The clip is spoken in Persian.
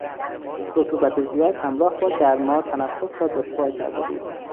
رطوبت زیاد همراه با گرما تنفس را دشوار کرده بود.